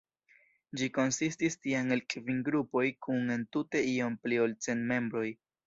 Ĝi konsistis tiam el kvin grupoj kun entute iom pli ol cent membroj.